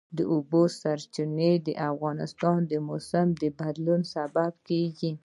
د اوبو سرچینې د افغانستان د موسم د بدلون سبب کېږي.